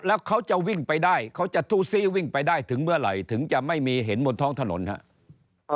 แล้วเขาจะวิ่งไปได้เขาจะทู้ซีวิ่งไปได้ถึงเมื่อไหร่ถึงจะไม่มีเห็นบนท้องถนนครับ